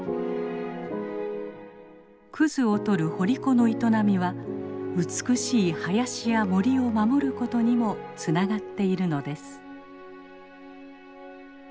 クズを採る掘り子の営みは美しい林や森を守ることにもつながっているのです。